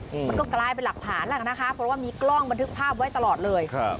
มันก็กลายเป็นหลักฐานแหละนะคะเพราะว่ามีกล้องบันทึกภาพไว้ตลอดเลยครับ